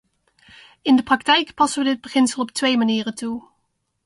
In de praktijk passen we dit beginsel op twee manieren toe.